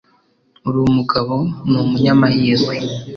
Uri mugabo ni umunyamahirwe